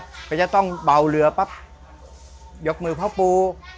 ก็จะต้องเบาเรือปั๊บยกมือพ่อปู